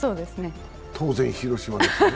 当然、広島ですね。